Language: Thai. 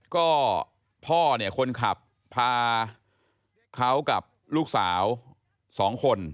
ก็พ่อคนขับพาเขากับลูกสาวสองคน